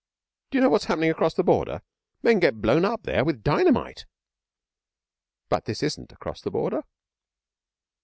'D'you know what's happening across the Border? Men get blown up there with dynamite.' 'But this isn't across the Border?'